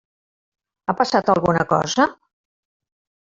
Ha passat alguna cosa?